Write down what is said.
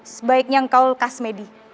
sebaiknya engkau lekas medi